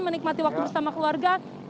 menikmati waktu bersama keluarga